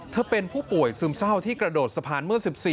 เป็นผู้ป่วยซึมเศร้าที่กระโดดสะพานเมื่อ๑๔